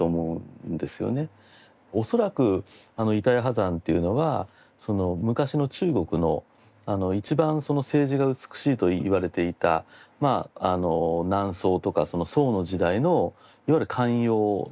恐らく板谷波山っていうのは昔の中国の一番その青磁が美しいといわれていた南宋とかその宋の時代のいわゆる官窯ですかね